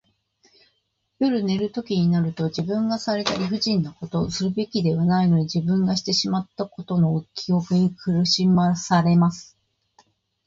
夜寝るときになると、自分がされた理不尽なこと、するべきではないのに自分がしてしまったことの記憶に苦しまされます。